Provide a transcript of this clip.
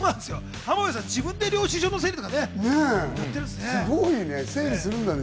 浜辺さん自分で領収書の整理とかやってるんですね。